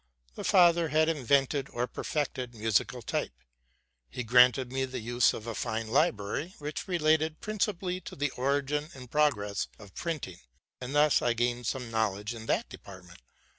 The father had invented or perfected musical type. He granted me the use of a fine library, which related prin cipally to the origin and progress of printing; and thus I gained some knowledge in that department.